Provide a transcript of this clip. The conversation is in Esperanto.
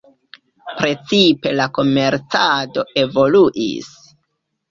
Precipe la komercado evoluis.